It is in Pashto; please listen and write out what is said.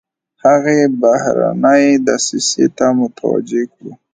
هغې بهرنۍ دسیسې ته متوجه کړو.